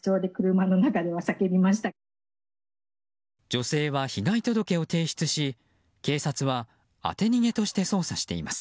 女性は被害届を提出し警察は当て逃げとして捜査しています。